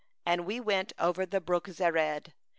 And we went over the brook Zered.